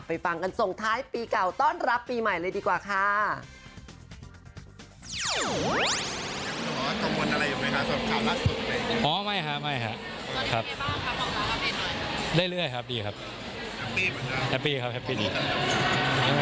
ไปฟังกันที่ตอนส่วนท้ายปีเก่าตอนรับปีใหม่แน่นิดเดียวดีกว่าค่ะ